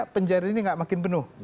pencair ini nggak makin penuh